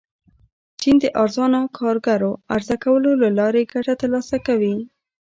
چین د ارزانه کارګرو عرضه کولو له لارې ګټه ترلاسه کوي.